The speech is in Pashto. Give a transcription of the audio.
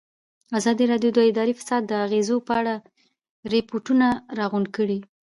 ازادي راډیو د اداري فساد د اغېزو په اړه ریپوټونه راغونډ کړي.